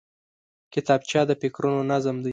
کتابچه د فکرونو نظم دی